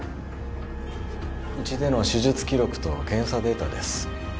うちでの手術記録と検査データです。